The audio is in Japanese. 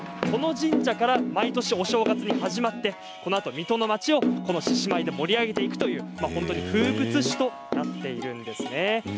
この神社から毎年お正月に始まってこのあと水門の町を獅子舞で盛り上げていくという風物詩となっているんですね。